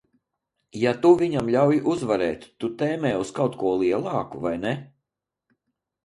Ja tu viņam ļauj uzvarēt, tu tēmē uz kaut ko lielāku, vai ne?